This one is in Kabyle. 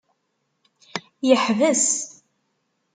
Yeḥbes.